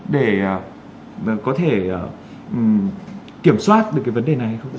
để có thể kiểm soát được cái vấn đề này hay không